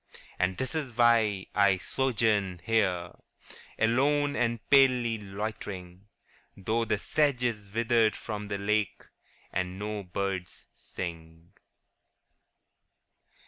' And this is why I sojourn here Alone and palely loitering, Though the sedge is withered from the lake, And no birds sing.'